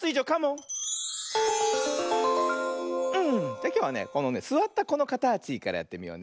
じゃきょうはねこのねすわったこのかたちからやってみようね。